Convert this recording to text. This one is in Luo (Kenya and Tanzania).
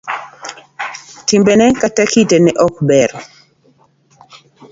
Timbene kata kite ne ok ber.